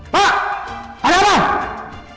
pak ada apa